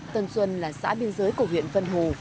tân xuân là xã biên giới của huyện vân hồ